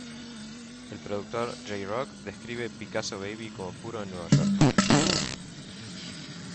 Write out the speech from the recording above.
El productor J-Roc describe "Picasso Baby" como "puro Nueva York.